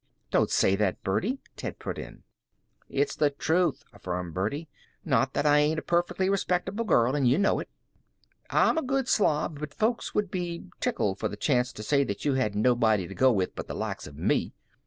"Don't say that, Birdie," Ted put in. "It's the truth," affirmed Birdie. "Not that I ain't a perfec'ly respectable girrul, and ye know it. I'm a good slob, but folks would be tickled for the chance to say that you had nobody to go with but the likes av me.